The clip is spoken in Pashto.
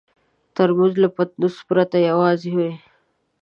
ترموز له پتنوس پرته یوازې وي.